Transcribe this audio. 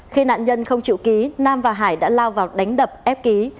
khi nạn nhân không chịu ký nam và hải đã lao vào đánh đập ép ký